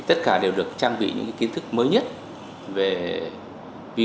tất cả đều được trang bị những kiến thức mới nhất về việc